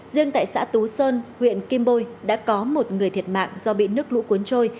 riêng tại xã tú sơn huyện kim bôi đã có một người thiệt mạng do bị nước lũ cuốn trôi